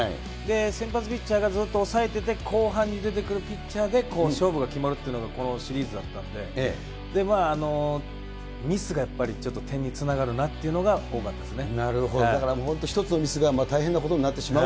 先発ピッチャーがずっと抑えてて、後半に出てくるピッチャーで勝負が決まるっていうのがこのシリーズだったんで、ミスがやっぱり点につながるなっていうのが多かったですね。